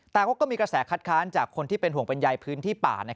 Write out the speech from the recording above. แต่ก็มีกระแสคัดค้านจากคนที่เป็นห่วงเป็นใยพื้นที่ป่า